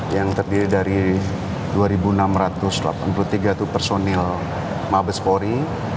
yang terdiri dari dua enam ratus delapan puluh tiga itu personil mabespori